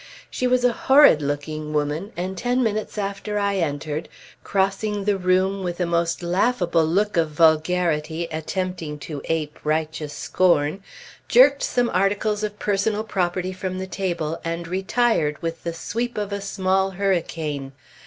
She was a horrid looking woman, and ten minutes after I entered, crossing the room with a most laughable look of vulgarity attempting to ape righteous scorn, jerked some articles of personal property from the table and retired with the sweep of a small hurricane.